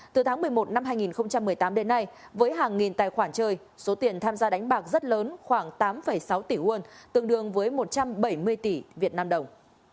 từ tháng một mươi một năm hai nghìn một mươi tám đến nay với hàng nghìn tài khoản chơi số tiền tham gia đánh bạc rất lớn khoảng tám sáu tỷ won tương đương với một trăm bảy mươi tỷ việt nam đồng